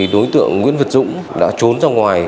đối tượng nguyễn việt dũng đã trốn ra ngoài